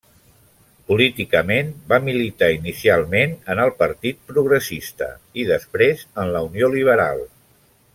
Políticament va militar inicialment en el Partit Progressista i després en la Unió Liberal.